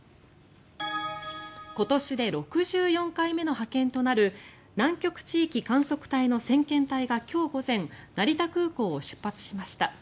今年で６４回目の派遣となる南極地域観測隊の先遣隊が今日午前成田空港を出発しました。